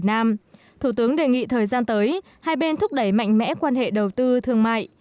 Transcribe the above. nam thủ tướng đề nghị thời gian tới hai bên thúc đẩy mạnh mẽ quan hệ đầu tư thương mại